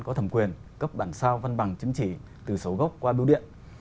cơ quan có thẩm quyền cấp bản sao văn bằng chứng chỉ từ số gốc qua đu điện